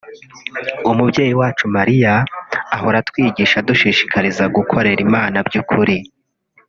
umubyeyi wacu Mariya ahora atwigisha adushishikariza gukorera Imana by’ukuri